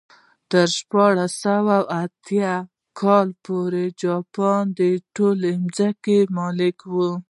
تر شپاړس سوه اته اتیا کال پورې پاچا د ټولو ځمکو مالک و.